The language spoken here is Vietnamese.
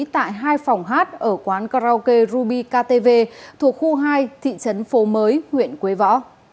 tại hai phòng hát ở quán karaoke ruby ktv thuộc khu hai thị trấn phố mới huyện quế võ